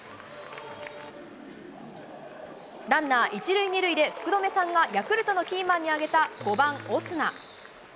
ランナー１塁２塁で、福留さんがヤクルトのキーマンに挙げた５番オスナ。